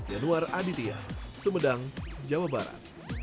yanuar aditya sumedang jawa barat